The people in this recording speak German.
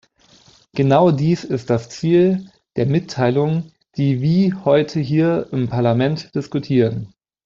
Genau dies ist das Ziel der Mitteilung, die wie heute hier im Parlament diskutieren.